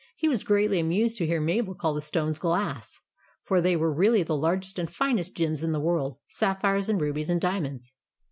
He was greatly amused to hear Mabel call the stones glass, for they were really the largest and finest gems in the world, — sapphires and rubies and diamonds.